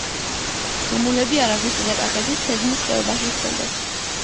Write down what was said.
მამულები არაგვისა და კახეთის თეძმის ხეობაში ჰქონდათ.